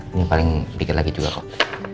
ini paling sedikit lagi juga kok